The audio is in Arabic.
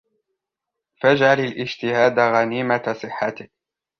فَاجْعَلْ الِاجْتِهَادَ غَنِيمَةَ صِحَّتِك